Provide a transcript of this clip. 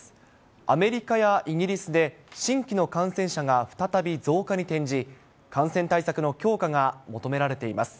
アメリカやイギリスで、新規の感染者が再び増加に転じ、感染対策の強化が求められています。